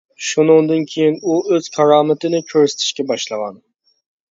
شۇنىڭدىن كېيىن ئۇ ئۆز كارامىتىنى كۆرسىتىشكە باشلىغان.